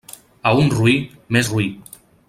A un roí, més roí.